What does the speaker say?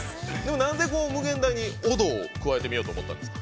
なぜ「無限大」に「踊」を加えてみようと思ったんですか？